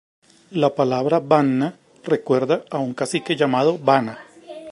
La palabra Banna recuerda a un cacique llamado Bana.